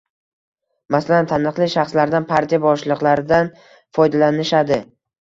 masalan, taniqli shaxslardan, partiya boshliqlaridan foydalanishadi.